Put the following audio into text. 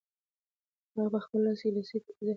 هغه په خپل لاس کې لسی ته په ډېر خپګان وکتل.